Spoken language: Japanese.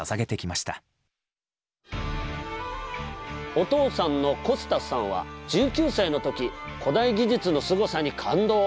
お父さんのコスタスさんは１９歳の時古代技術のすごさに感動。